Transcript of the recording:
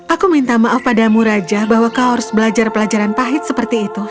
aku minta maaf padamu raja bahwa kau harus belajar pelajaran pahit seperti itu